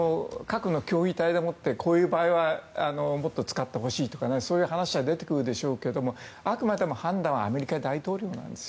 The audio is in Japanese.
また、こういう場合はもっと使ってほしいとかそういう話は出てくるでしょうがあくまでも判断はアメリカ大統領なんです。